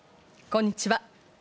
こんにちは。